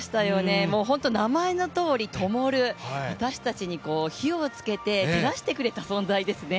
名前のとおり灯、私たちに火をつけて照らしてくれた存在ですね。